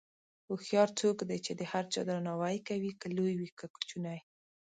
هوښیار څوک دی چې د هر چا درناوی کوي، که لوی وي که کوچنی.